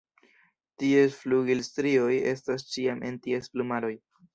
Ties flugilstrioj estas ĉiam en ties plumaroj.